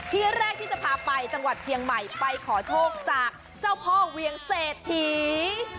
ที่แรกที่จะพาไปจังหวัดเชียงใหม่ไปขอโชคจากเจ้าพ่อเวียงเศรษฐี